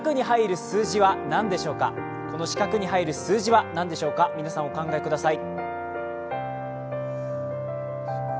この四角に入る数字は何でしょうか、皆さん、お考えください。